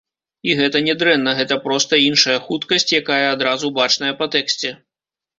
І гэта не дрэнна, гэта проста іншая хуткасць, якая адразу бачная па тэксце.